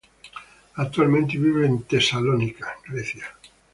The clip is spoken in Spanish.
Actualmente vive en Tesalónica, Grecia.